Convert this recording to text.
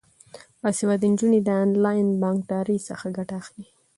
باسواده نجونې د انلاین بانکدارۍ څخه ګټه اخلي.